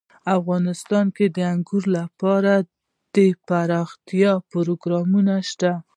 افغانستان کې د انګورو لپاره دپرمختیا پروګرامونه شته دي.